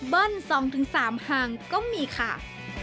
เบิ้ล๒๓ห่างก็มีค่ะ